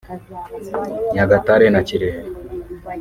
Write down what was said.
Nyagatare na Kirehe